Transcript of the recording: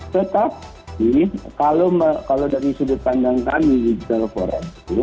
tetap kalau dari sudut pandang kami digital dropware